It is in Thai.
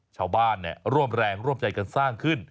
ชาวบ้านร่วมแรงร่วมใจกันสร้างขึ้น